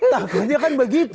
takutnya kan begitu